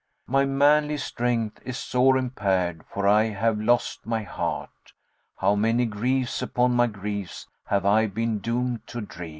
My manly strength is sore impaired for I have lost my heart; * How many griefs upon my griefs have I been doomed to dree!